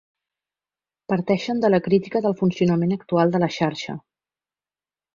Parteixen de la crítica del funcionament actual de la xarxa.